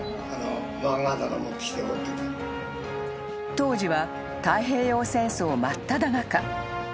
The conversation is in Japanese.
［当時は太平洋戦争真っただ中］